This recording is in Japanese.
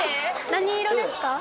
何色ですか？